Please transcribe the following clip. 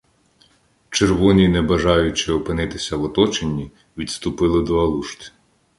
«Червоні», не бажаючи опинитися в оточенні, відступили до Алушти.